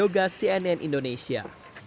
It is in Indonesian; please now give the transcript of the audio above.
para yoga cnn indonesia